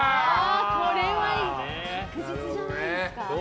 これは確実じゃないですか。